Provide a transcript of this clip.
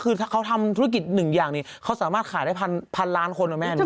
คือเขาทำธุรกิจหนึ่งอย่างนี้เขาสามารถขายได้พันล้านคนนะแม่